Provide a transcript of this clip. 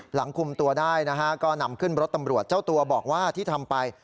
หลังคุมตัวได้นะฮะก็นำขึ้นรถตำรวจเจ้าตัวบอกว่าที่ทำไป